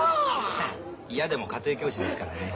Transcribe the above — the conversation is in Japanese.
ヘッ嫌でも家庭教師ですからね。